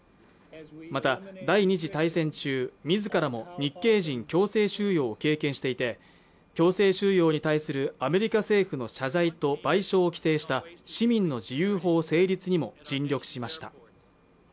また第２次大戦中自らも日系人強制収容を経験していて強制収容に対するアメリカ政府の謝罪と賠償を規定した市民の自由法成立にも尽力しました